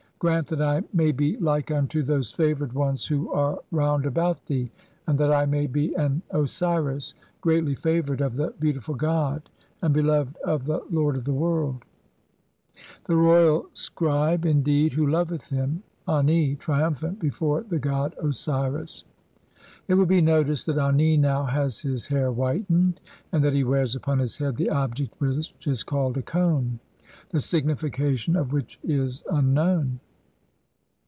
"Grant that I may be like unto those favoured ones "who are round about thee, and that I may be an "Osiris greatly favoured of the beautiful god and be "loved of the lord of the world, [I] the royal scribe "indeed, who loveth him, Ani, triumphant before the "god Osiris." It will be noticed that Ani now has his hair whitened, and that he wears upon his head the object which is called a cone, the signification of which is unknown.